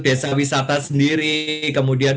desa wisata sendiri kemudian